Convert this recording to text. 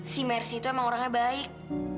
si mercy itu emang orangnya baik